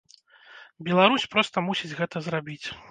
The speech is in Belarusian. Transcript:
Беларусь проста мусіць гэта зрабіць.